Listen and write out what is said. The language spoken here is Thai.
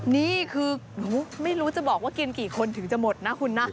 นี่คือไม่รู้จะบอกว่ากินกี่คนถึงจะหมดนะคุณนะ